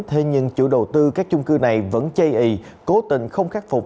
thế nhưng chủ đầu tư các chung cư này vẫn chây ý cố tình không khắc phục